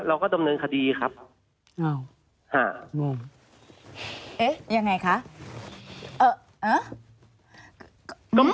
เราก็ดำเนินคดีครับอ้าวฮะงงเอ๊ะยังไงคะเอ่อเอ่อ